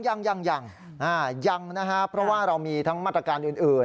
ยังยังนะครับเพราะว่าเรามีทั้งมาตรการอื่น